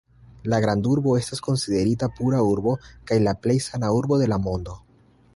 La grandurbo estas konsiderita pura urbo kaj la plej sana urbo de la mondo.